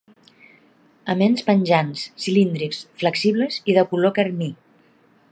Aments penjants, cilíndrics, flexibles i de color carmí.